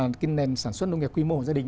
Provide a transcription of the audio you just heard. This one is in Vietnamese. sản xuất nông nghiệp quy mô hộ gia đình